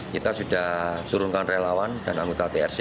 kita sudah turunkan relawan dan anggota trc